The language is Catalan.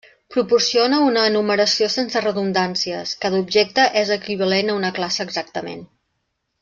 Proporciona una enumeració sense redundàncies: cada objecte és equivalent a una classe exactament.